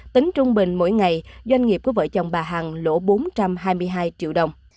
tính trung bình mỗi ngày doanh nghiệp của vợ chồng bà hằng lỗ bốn trăm hai mươi hai triệu đồng